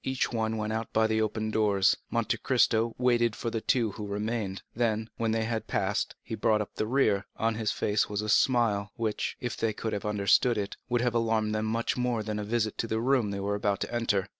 Each one went out by the open doors. Monte Cristo waited for the two who remained; then, when they had passed, he brought up the rear, and on his face was a smile, which, if they could have understood it, would have alarmed them much more than a visit to the room they were about to enter.